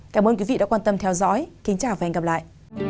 cảm ơn quý vị đã quan tâm theo dõi kính chào và hẹn gặp lại